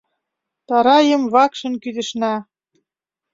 Тарайым вакшын кӱзышна.